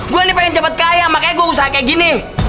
gua nih pengen cepet kaya makanya gua usaha kaya gini